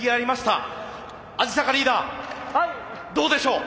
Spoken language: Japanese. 鯵坂リーダーどうでしょう？